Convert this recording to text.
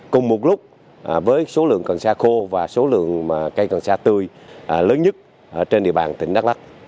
cùng một lúc với số lượng cần sa khô và số lượng cây cần sa tươi lớn nhất trên địa bàn tỉnh đắk lắc